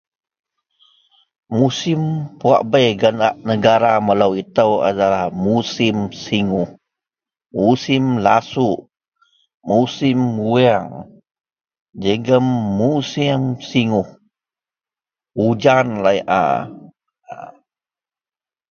musim wak bei gak negara melou itou adalah musim sigouh, musim lasuk, musim wuweang jegum musim singouh, ujan laie a